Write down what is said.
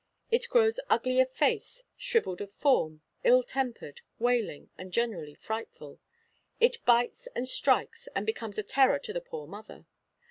It grows ugly of face, shrivelled of form, ill tempered, wailing, and generally frightful. It bites and strikes, and becomes a terror to the poor mother.